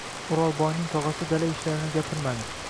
O’rolboyning tog‘asi dala ishlarini gapirmadi.